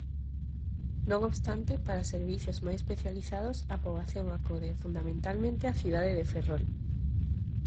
Non obstante, para servizos moi especializados, a poboación acode fundamentalmente á cidade de Ferrol.